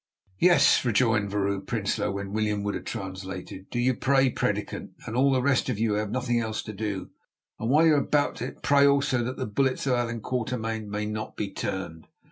"Yes," rejoined Vrouw Prinsloo, when William Wood had translated. "Do you pray, Predicant, and all the rest of you who have nothing else to do, and while you are about it pray also that the bullets of Allan Quatermain may not be turned.